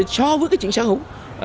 so với cái chuyện xã hội